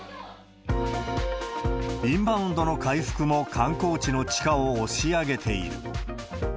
インバウンドの回復も、観光地の地価を押し上げている。